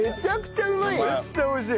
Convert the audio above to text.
めっちゃ美味しい。